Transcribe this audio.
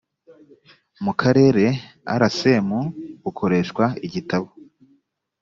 mu karere rcm bukoreshwa igitabo